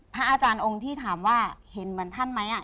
พระอาจารย์องค์ที่ถามว่าเห็นเหมือนท่านไหม